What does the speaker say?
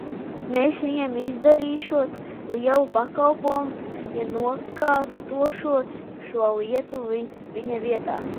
Mēs viņam izdarīšot lielu pakalpojumu, ja nokārtošot šo lietu viņa vietā.